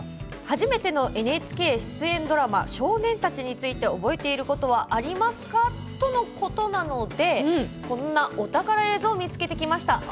初めてのＮＨＫ出演のドラマ「少年たち」について覚えてることはありますか？とのことでこんなお宝映像見つけてきました。